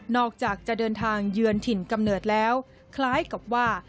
อกจากจะเดินทางเยือนถิ่นกำเนิดแล้วคล้ายกับว่า